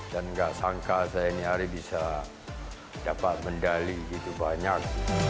dan tidak sangka saya hari ini bisa mendali begitu banyak